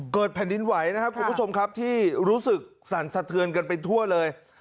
แผ่นดินไหวนะครับคุณผู้ชมครับที่รู้สึกสั่นสะเทือนกันไปทั่วเลย